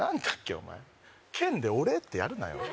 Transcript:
お前剣で「俺？」ってやるなよ